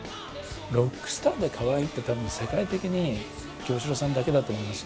ロックスターでかわいいって多分世界的に清志郎さんだけだと思いますよ。